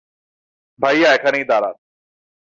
ভাইয়া এখানেই দাঁড়ান।